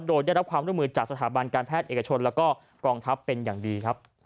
โดยได้รับความร่วมมือจากสถาบันการแพทย์เอกชนแล้วก็กองทัพเป็นอย่างดีครับ